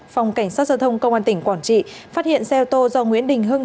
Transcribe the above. phòng cảnh sát giao thông công an tỉnh quảng trị phát hiện xe ô tô do nguyễn đình hưng